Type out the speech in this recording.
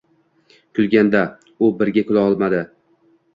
Kulganda, u birga kula olmadi